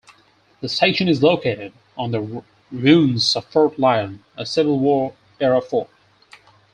The station is located on the ruins of Fort Lyon, a Civil War-era fort.